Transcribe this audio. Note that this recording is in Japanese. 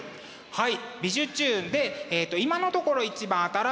はい。